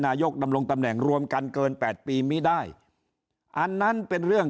นายกดำรงตำแหน่งรวมกันเกินแปดปีไม่ได้อันนั้นเป็นเรื่อง